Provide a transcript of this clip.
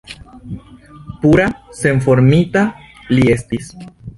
Pura, senformita li estis!